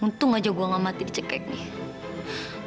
untung aja gw gak mati di cek kek nih